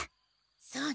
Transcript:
そうね。